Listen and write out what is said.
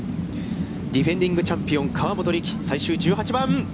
ディフェンディングチャンピオン、河本力、最終１８番。